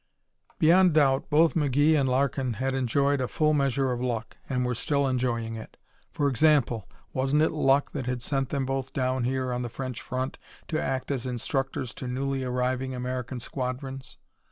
Beyond doubt both McGee and Larkin had enjoyed a full measure of luck, and were still enjoying it. For example, wasn't it luck that had sent them both down here on the French front to act as instructors to newly arriving American squadrons?